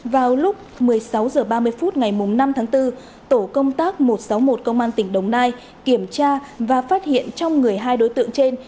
vào lúc một mươi sáu h ba mươi phút ngày năm tháng bốn tổ công tác một trăm sáu mươi một công an tỉnh đồng nai kiểm tra và phát hiện trong người hai đối tượng trên